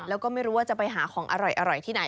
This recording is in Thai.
แล้วก็ไม่รู้ว่าจะไปหาของอร่อยที่ไหน